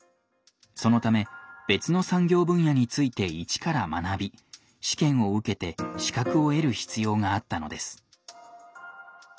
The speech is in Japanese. そのため別の産業分野について一から学び試験を受けて資格を得る必要があったのです。